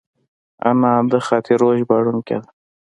انا د خاطرو ژباړونکې ده